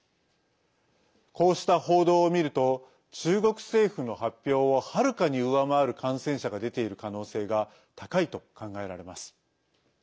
こうした報道を見ると中国政府の発表をはるかに上回る感染者が出ている可能性が高いと考えられます。